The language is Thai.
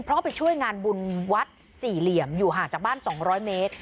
เพราะเขาไปช่วยงานบุญวัดสี่เหลี่ยมอยู่ห่างจากบ้าน๒๐๐เมตร